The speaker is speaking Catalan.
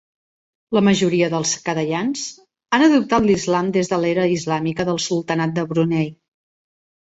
La majoria dels kedayans han adoptat l'Islam des de l'era islàmica del Sultanat de Brunei.